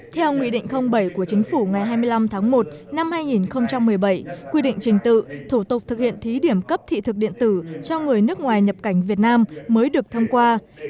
theo nghị định bảy của chính phủ ngày hai mươi năm tháng một năm hai nghìn một mươi bảy quy định trình tự thủ tục thực hiện thí điểm cấp thị thực điện tử cho người nước ngoài nhập cảnh việt nam mới được thông qua